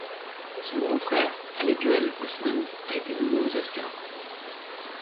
Son grand frère, Haley Joel Osment, a été nommé aux Oscars.